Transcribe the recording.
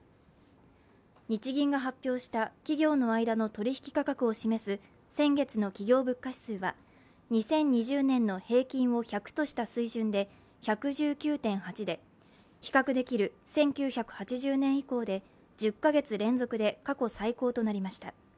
日銀が発表した企業の間の取引価格を示す先月の企業物価指数は２０２０年の平均を１００とした水準で１１９．８で比較できる１９８０年以降で、１０か月連続で過去最高となりました。